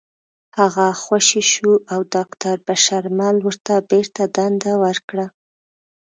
هغه خوشې شو او داکتر بشرمل ورته بېرته دنده ورکړه